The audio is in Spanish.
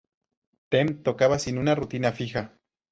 Them tocaba sin una rutina fija.